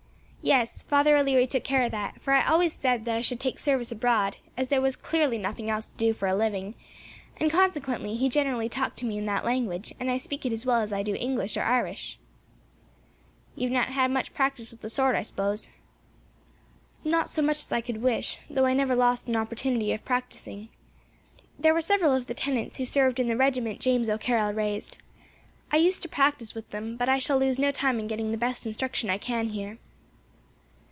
"Yes. Father O'Leary took care of that, for I always said that I should take service abroad, as there was clearly nothing else to do for a living, and, consequently, he generally talked to me in that language, and I speak it as well as I do English or Irish." "You have not had much practice with the sword, I suppose?" "Not so much as I could wish, though I never lost an opportunity of practising. There were several of the tenants who served in the regiment James O'Carroll raised. I used to practise with them, but I shall lose no time in getting the best instruction I can, here."